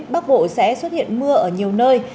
bắc bộ sẽ xuất hiện mưa ở nhiều nơi